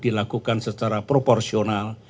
dilakukan secara proporsional